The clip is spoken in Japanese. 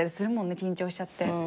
緊張しちゃって。